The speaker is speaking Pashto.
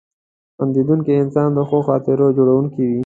• خندېدونکی انسان د ښو خاطرو جوړونکی وي.